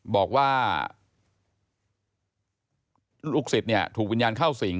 บอกว่าลูกศิษย์เนี่ยถูกวิญญาณเข้าสิง